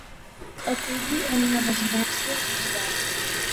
Aculli en una residència especial.